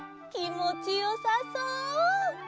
きもちよさそう。